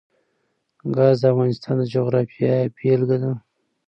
ګاز د افغانستان د جغرافیې بېلګه ده.